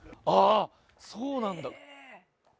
そうなんだ。